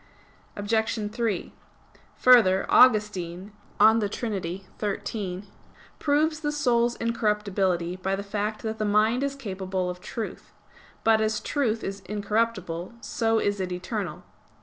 Obj. 3: Further, Augustine (De Trin. xiii) proves the soul's incorruptibility by the fact that the mind is capable of truth. But as truth is incorruptible, so is it eternal.